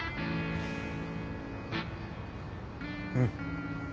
うん